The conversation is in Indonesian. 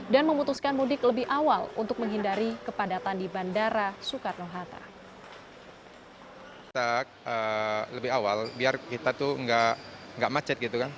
dan memutuskan mudik lebih awal untuk menghindari kepadatan di bandara soekarno hatta